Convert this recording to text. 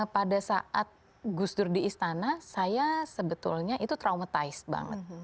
pada saat gus dur di istana saya sebetulnya itu traumatized banget